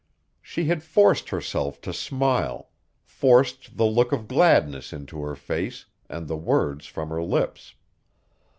She had forced herself to smile, forced the look of gladness into her face, and the words from her lips.